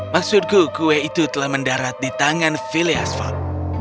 maksudku kue itu telah mendarat di tangan phileas fok